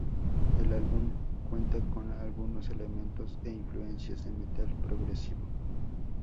El álbum cuenta con algunos elementos e influencias de metal progresivo.